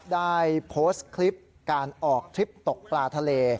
ได้โพสต์คลิปการออกทริปตกปลาทะเล